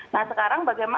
nah sekarang bagaimana